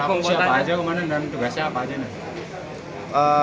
untuk siapa aja umandan dan tugas siapa aja